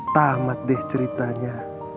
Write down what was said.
tamat deh ceritanya